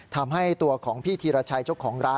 ทำให้ตัวของพี่ธีรชัยเจ้าของร้าน